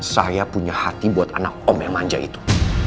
saya punya hati buat anak om yang manja itu